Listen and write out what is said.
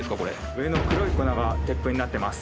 上の黒い粉が鉄粉になってます。